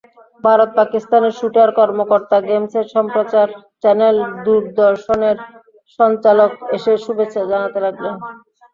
ভারত-পাকিস্তানের shooter, কর্মকর্তা, গেমসের সম্প্রচার চ্যানেল দূরদর্শনের সঞ্চালক এসে শুভেচ্ছা জানাতে লাগলেন।